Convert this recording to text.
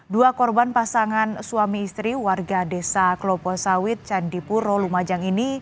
dua korban pasangan suami istri warga desa klopo sawit candipuro lumajang ini